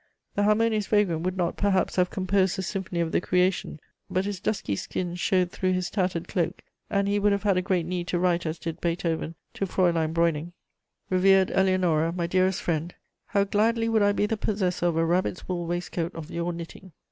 The harmonious vagrant would not perhaps have composed the symphony of the Creation, but his dusky skin showed through his tattered cloak, and he would have had a great need to write as did Beethoven to Fraülein Breuning: "Revered Eleonora, my dearest friend, how gladly would I be the possessor of a rabbits' wool waistcoat of your knitting."